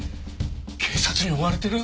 警察に追われてる！？